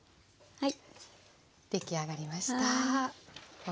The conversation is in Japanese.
はい。